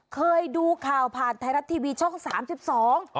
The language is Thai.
เคยดูข่าวผ่านไทยรัฐทีวีช่อง๓๒